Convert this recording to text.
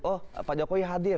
oh pak jokowi hadir